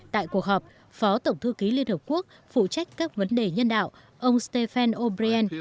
tại cuộc họp phó tổng thư ký liên hợp quốc phụ trách các vấn đề nhân đạo ông stephen o brien